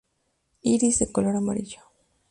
Iris de color amarillo.